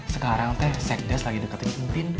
sekarang teh sekdes lagi dekatin pimpin